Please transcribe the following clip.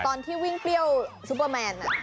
ตอนที่วิ่งเปรี้ยวซุปเปอร์แมน